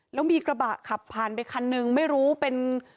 แล้วมีกระบะขับผ่านไปคันนึงไม่รู้เป็น